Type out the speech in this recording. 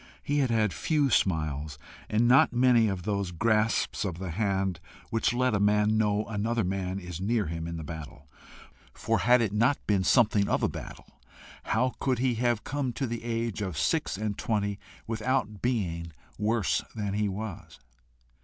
He had had few smiles, and not many of those grasps of the hand which let a man know another man is near him in the battle for had it not been something of a battle, how could he have come to the age of six and twenty without being worse than he was?